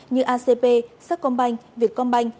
như acp sắc công banh việt công banh